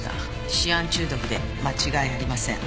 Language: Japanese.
シアン中毒で間違いありません。